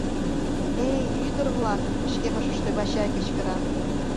— Эй, ӱдыр-влак! — пычкемыште Вачай кычкыра.